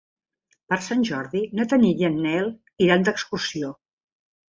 Per Sant Jordi na Tanit i en Nel iran d'excursió.